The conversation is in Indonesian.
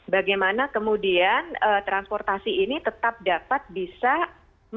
bagaimana kemudian transportasi ini tetap dapat bisa mengakomodir kebutuhan masyarakat